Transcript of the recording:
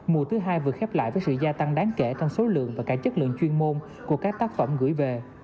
mùa thứ hai vừa khép lại với sự gia tăng đáng kể trong số lượng và cả chất lượng chuyên môn của các tác phẩm gửi về